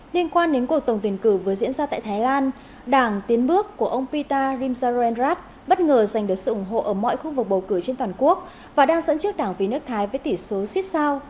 liên quan đến cuộc tổng tuyển cử vừa diễn ra tại thái lan đảng tiến bước của ông pita rim zarenrat bất ngờ giành được sự ủng hộ ở mọi khu vực bầu cử trên toàn quốc và đang dẫn trước đảng vi nước thái với tỷ số xích sao